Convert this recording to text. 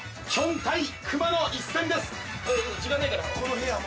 対クマの一戦です！